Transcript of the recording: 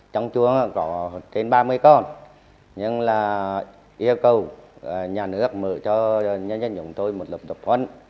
trong chuồng có trên ba mươi con nhưng là yêu cầu nhà nước mượn cho nhân dân chúng tôi một lục tục huấn